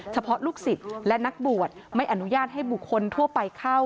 เฉพาะลูกศิษย์และนักบวชไม่อนุญาตให้บุคคลทั่วไปเข้า